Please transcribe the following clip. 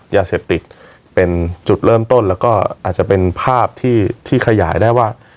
ยาเสพติดเป็นจุดเริ่มต้นแล้วก็อาจจะเป็นภาพที่ขยายได้ว่า